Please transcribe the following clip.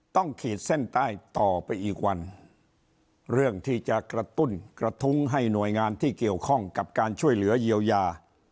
ขีดเส้นใต้ต่อไปอีกวันเรื่องที่จะกระตุ้นกระทุ้งให้หน่วยงานที่เกี่ยวข้องกับการช่วยเหลือเยียวยา